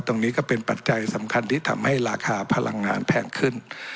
ตรงนี้ก็เป็นปัจจัยสำคัญที่ทำให้ราคาพลังงานแพงขึ้น